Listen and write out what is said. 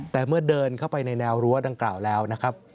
แต่เมื่อเดินเข้าไปในแนวรั้วดังกล่าวแล้วนะครับ